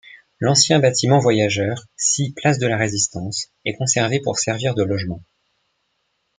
L'ancien bâtiment voyageurs, sis place de la Résistance, est conservé pour servir de logement.